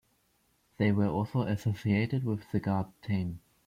They were also associated with the god Tane.